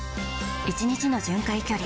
１日の巡回距離